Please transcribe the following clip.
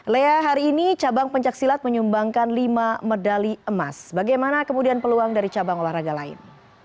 lea hari ini cabang pencaksilat menyumbangkan lima medali emas bagaimana kemudian peluang dari cabang olahraga lain